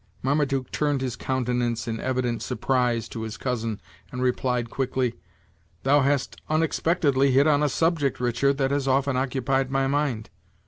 Marmaduke turned his countenance, in evident surprise, to his cousin, and replied quickly: "Thou hast unexpectedly hit on a subject, Richard, that has often occupied my mind.